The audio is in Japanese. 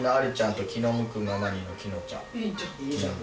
いいじゃん。